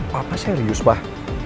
papa serius pak